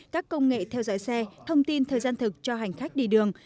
các công nghệ theo dõi xe thông tin thời gian thực cho hành khách đi đường